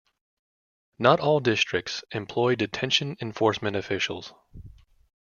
Not all districts employ detention enforcement officers.